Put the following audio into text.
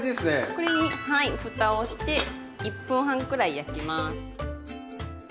これにふたをして１分半くらい焼きます。